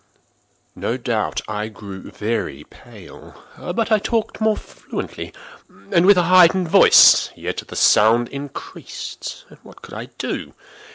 No doubt I now grew very pale;—but I talked more fluently, and with a heightened voice. Yet the sound increased—and what could I do?